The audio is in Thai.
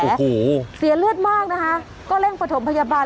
โอ้โหเสียเลือดมากนะคะก็เร่งประถมพยาบาล